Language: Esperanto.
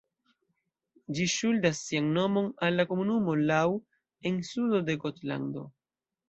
Ĝi ŝuldas sian nomon al la komunumo Lau en sudo de Gotlando.